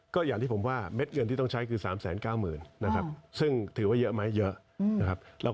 ก็อย่างที่ผมว่าเม็ดเงินที่ต้องใช้คือ๓๙๐๐นะครับซึ่งถือว่าเยอะไหมเยอะนะครับ